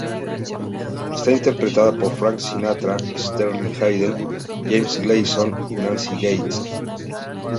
Está interpretada por Frank Sinatra, Sterling Hayden, James Gleason y Nancy Gates.